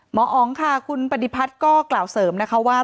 หมออ๋องค่ะคุณปฏิพัฒน์ก็กล่าวเสริมนะคะว่า